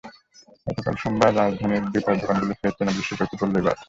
গতকাল সোমবার রাজধানীর জুতার দোকানগুলোয় সেই চেনা দৃশ্য চোখে পড়ল এবারও।